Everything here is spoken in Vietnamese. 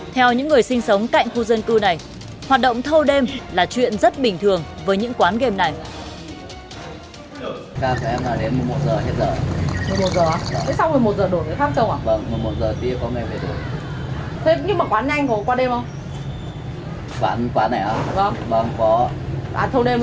theo những người trông coi tại đây hoạt động của hệ thống này chưa bao giờ dừng lại dù là ngày hay đêm